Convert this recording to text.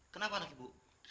kenapa anak ibu